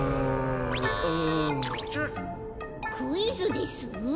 「クイズです」？